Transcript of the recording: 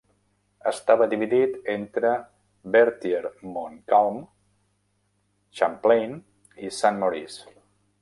Estava dividit entre Berthier-Montcalm, Champlain i Saint-Maurice.